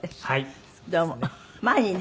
はい。